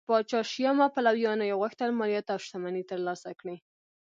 پاچا شیام او پلویانو یې غوښتل مالیات او شتمنۍ ترلاسه کړي